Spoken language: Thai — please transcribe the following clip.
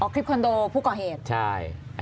อ๋อคลิปคอนโดผู้ก่อเหตุนะคะใช่